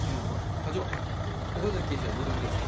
課長岡崎警視はどうでもいいんですか？